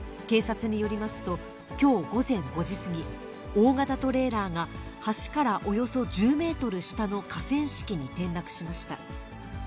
警察によりますと、きょう午前５時過ぎ、大型トレーラーが橋からおよそ１０メートル下の河川敷に転落しました。